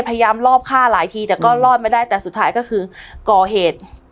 รอบฆ่าหลายทีแต่ก็รอดไม่ได้แต่สุดท้ายก็คือก่อเหตุ